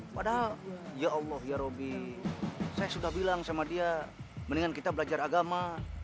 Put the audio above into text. padahal ya allah ya roby saya sudah bilang sama dia mendingan kita belajar agama